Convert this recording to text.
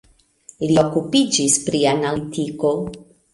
Li okupiĝis pri analitiko.